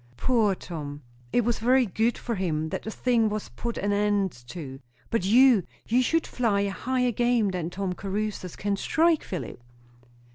"Poor Tom!" "It was very good for him, that the thing was put an end to. But you you should fly at higher game than Tom Caruthers can strike, Philip."